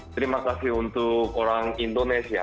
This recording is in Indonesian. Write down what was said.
terima kasih untuk orang indonesia